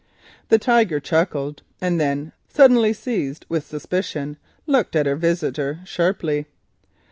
The woman chuckled, and then suddenly seized with suspicion looked at her visitor sharply.